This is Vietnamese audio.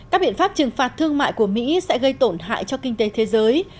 các biện pháp trừng phạt thương mại của mỹ sẽ gây tổn hại cho kinh tế thế giới